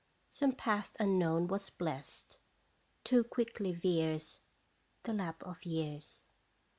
Some past unknown was blest. Too quickly veers The lapse of years.